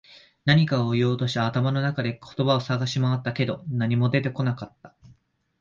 何かを言おうとして、頭の中で言葉を探し回ったけど、何も出てこなかった。